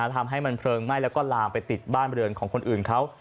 ทำให้มันเพลิงไหม้แล้วก็ลามไปติดบ้านบริเวณของคนอื่นเขา